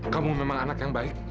kamu memang anak yang baik